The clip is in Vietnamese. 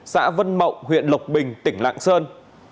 xã vân mậu huyện lộc bình tỉnh lạng sơn